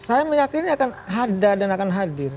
saya meyakini akan ada dan akan hadir